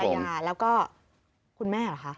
ลูกสองภรรยาแล้วก็คุณแม่หรือคะ